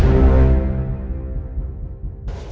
tapi dia udah kembali ke rumah